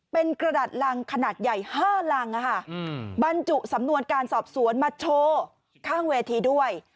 เป็นกระดาษรังขนาดใหญ่๕ลังบรรจุสำนวนการสอบสวนมาโชว์ข้างเวทีด้วย